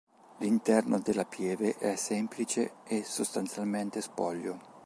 L'interno della pieve è semplice e sostanzialmente spoglio.